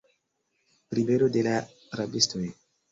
Ribelo de la rabistoj.